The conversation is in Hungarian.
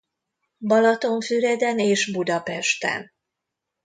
Balaton-Füreden és Budapesten.